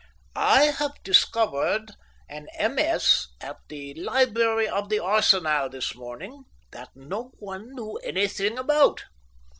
"I have discovered an MS. at the library of the Arsenal this morning that no one knew anything about."